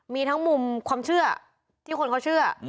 มีทั้งมุมความเชื่อที่คนเขาเชื่อ